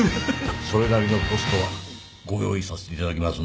それなりのポストはご用意させていただきますんで。